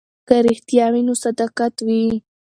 که رښتیا وي نو صداقت وي.